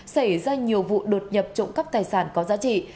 xảy ra nhiều vụ đột nhập trộm cắp tài sản có giá trị